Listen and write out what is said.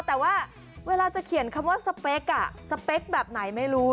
แต่ว่าเวลาจะเขียนคำว่าสเปคสเปคแบบไหนไม่รู้